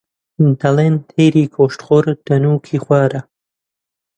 دەڵێن تەیری گۆشتخۆر دندووکی خوارە